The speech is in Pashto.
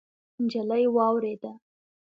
نجلۍ واورېده.